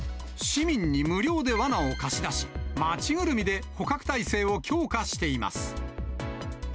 市民に無料でわなを貸し出し、町ぐるみで捕獲体制を強化しています。